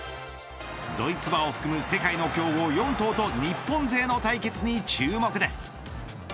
ドイツ馬を含む世界の強豪４頭と日本勢の対決に注目です。